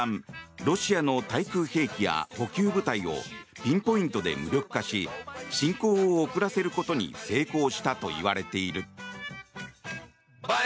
ロシアの対空兵器や補給部隊をピンポイントで無力化し侵攻を遅らせることに成功したといわれている。